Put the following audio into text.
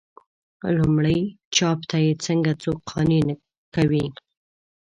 لومړي چاپ ته یې څنګه څوک قانع کوي.